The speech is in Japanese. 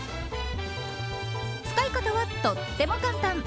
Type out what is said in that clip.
使い方はとっても簡単。